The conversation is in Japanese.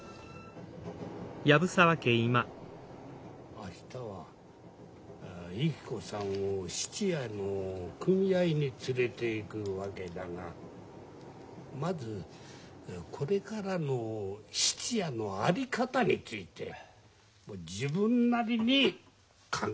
明日はゆき子さんを質屋の組合に連れていくわけだがまずこれからの質屋の在り方について自分なりに考えておいてほしい。